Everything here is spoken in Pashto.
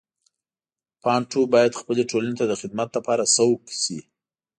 بانټو باید خپلې ټولنې ته د خدمت لپاره سوق شي.